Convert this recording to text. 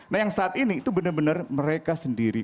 nah yang saat ini itu benar benar mereka sendiri